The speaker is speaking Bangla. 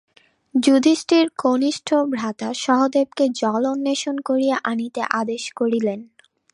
যুধিষ্ঠির কনিষ্ঠ ভ্রাতা সহদেবকে জল অন্বেষণ করিয়া আনিতে আদেশ করিলেন।